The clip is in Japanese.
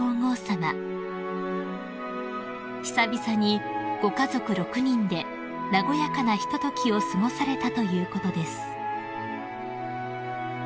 ［久々にご家族６人で和やかなひとときを過ごされたということです］